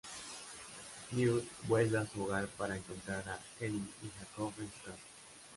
Newt vuelve a su hogar para encontrar a Queenie y Jacob en su casa.